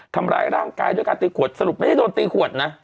ทำร้ายร่างกายด้วยการตีขวดสรุปไม่ได้โดนตีขวดนะ